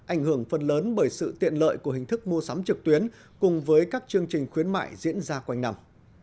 ảnh hưởng phần lớn bởi sự tiện lợi của hình thức mua sắm trực tuyến cùng với các chương trình khuyến mại diễn ra quanh năm